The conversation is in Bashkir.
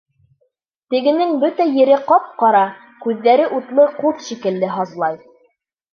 Тегенең бөтә ере ҡап-ҡара, күҙҙәре утлы ҡуҙ шикелле һазлай.